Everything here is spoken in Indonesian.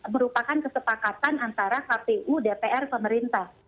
merupakan kesepakatan antara kpu dpr pemerintah